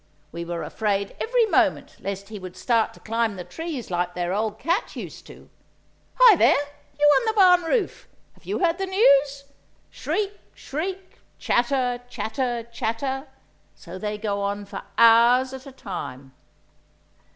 We were afraid every moment lest he would start to climb the trees like their old cat used to. Hi! there, you on the barn roof! Have you heard the news?" Shriek, shriek! chatter, chatter, chatter! So they go on for hours at a time.